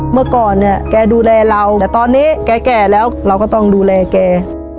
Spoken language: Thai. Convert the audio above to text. เมื่อก่อนเนี่ยแกดูแลเราแต่ตอนนี้แกแก่แล้วเราก็ต้องดูแลแก